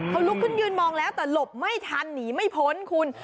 เขาลุกขึ้นยืนมองแล้วแต่หลบไม่ทันหนีไม่พ้นคุณ